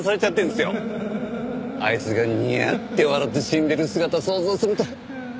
あいつがニヤッて笑って死んでる姿想像すると。